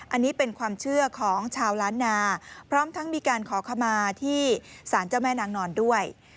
อันนี้เป็นความเชื่อของชาวล้านนาพร้อมทั้งมีการขอขมาที่สารเจ้าแม่นางนอนด้วย